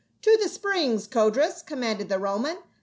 "To the springs, Codrus," commanded the Roman.